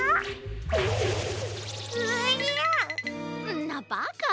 んなバカな。